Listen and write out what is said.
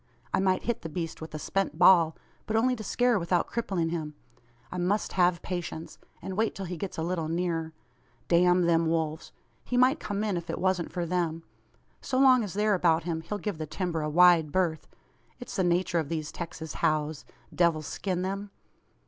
"I might hit the beast with a spent ball, but only to scare without crippling him. I must have patience, and wait till he gets a little nearer. Damn them wolves! He might come in, if it wasn't for them. So long as they're about him, he'll give the timber a wide berth. It's the nature of these Texas howes devil skin them!